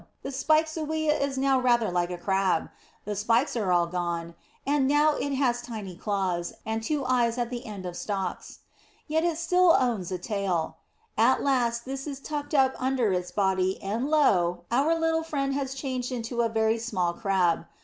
the spiked zoea is now rather like a Crab. The spikes are gone, and now it has tiny claws, and two eyes at the end of stalks. Yet it still owns a tail. At last this is tucked up under its body, and lo! our little friend has changed into a very small Crab.